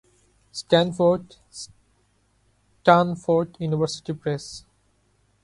Stanford: Stanford University press.